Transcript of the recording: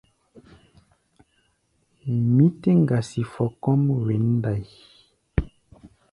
Mí tɛ́ ŋgasi fɔ kɔ́ʼm wěn ndai.